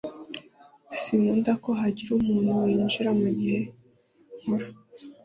Sinkunda ko hagira umuntu winjira mugihe nkora